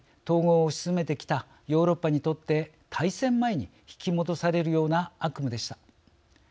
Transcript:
統合を推し進めてきたヨーロッパにとって大戦前に引き戻されるような悪夢でした。